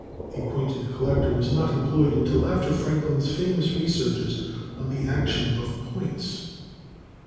A pointed col lector was not employed until after Franklin's famous re searches on the action of points.